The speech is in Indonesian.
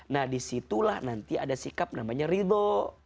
nah disitulah nanti ada sikap namanya ridho